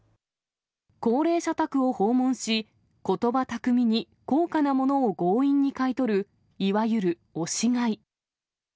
高齢者宅を訪問し、ことば巧みに、高価なものを強引に買い取る、いわゆる押し買い。